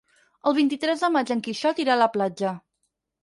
El vint-i-tres de maig en Quixot irà a la platja.